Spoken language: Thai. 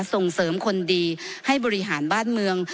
ส่งเสริมคนดีให้บริหารบ้านเมือง